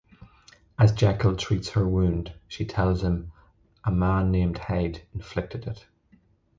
As Jekyll treats her wound, she tells him a man named Hyde inflicted it.